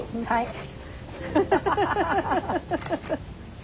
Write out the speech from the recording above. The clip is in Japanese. はい。